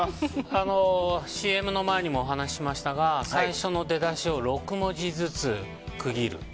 ＣＭの前にもお話ししましたが最初の出だしを６文字ずつ区切る。